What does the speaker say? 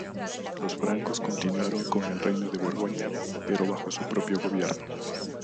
Los francos continuaron con el reino de Borgoña, pero bajo su propio gobierno.